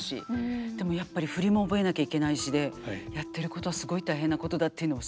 でもやっぱり振りも覚えなきゃいけないしでやってることはすごい大変なことだっていうのはすごい分かりました。